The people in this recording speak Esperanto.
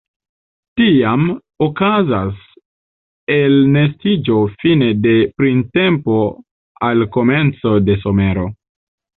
Tiam okazas elnestiĝo fine de printempo al komenco de somero.